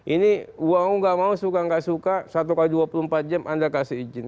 ini uang nggak mau suka nggak suka satu x dua puluh empat jam anda kasih izin